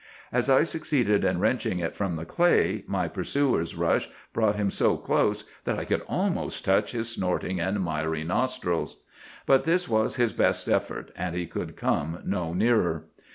As I succeeded in wrenching it from the clay, my pursuer's rush brought him so close that I could almost touch his snorting and miry nostrils. But this was his best effort, and he could come no nearer.